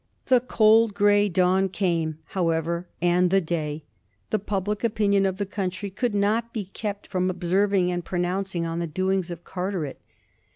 The cold gray dawn came, however, and the day. The public opinion of the country could not be kept from ob serving and pronouncing on the doings of Carteret.